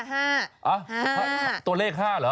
ห้าตัวเลขห้าเหรอ